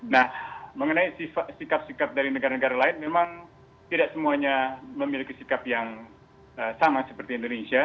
nah mengenai sikap sikap dari negara negara lain memang tidak semuanya memiliki sikap yang sama seperti indonesia